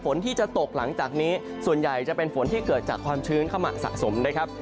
ฝนที่จะตกหลังจากนี้ส่วนใหญ่จะเป็นฝนที่เกิดจากความชื้นเข้ามาสะสมนะครับ